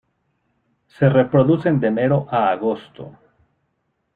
Se reproducen de enero a agosto.